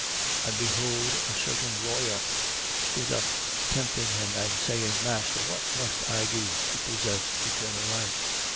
10:25. And behold a certain lawyer stood up, tempting him and saying, Master, what must I do to possess eternal life?